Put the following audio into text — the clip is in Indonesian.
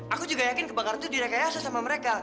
aku juga yakin kebakaran itu direkayasa sama mereka